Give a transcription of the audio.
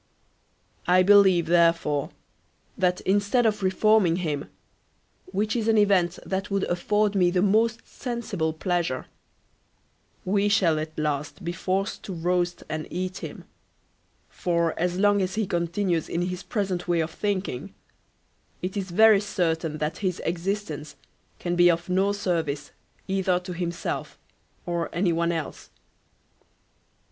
I believe, therefore, that instead of reforming him (which is an event that would afford me the most sensible pleasure) we shall at last be forced to roast and eat him; for, as long as he continues in his present way of thinking, it is very certain that his existence can be of no service either to himself, or any one else."